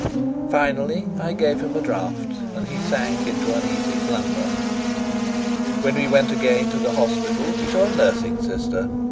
Finally I gave him a draught, and he sank into uneasy slumber. When we went again to the hospital we saw a nursing sister.